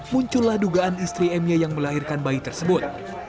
muncullah dugaan istri m y yang melahirkan bayi tersebut